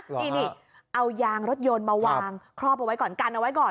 นี่เอายางรถยนต์มาวางครอบเอาไว้ก่อนกันเอาไว้ก่อน